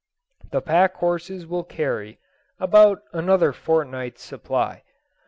The pack horses will carry about another fortnight's supply.